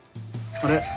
あれ？